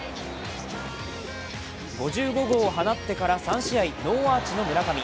５５号を放ってから３試合ノーアーチの村上。